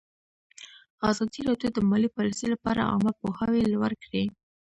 ازادي راډیو د مالي پالیسي لپاره عامه پوهاوي لوړ کړی.